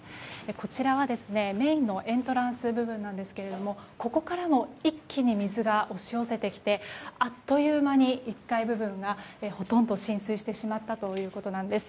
こちらは、メインのエントランス部分なんですがここからも一気に水が押し寄せてきてあっという間に１階部分がほとんど浸水してしまったということです。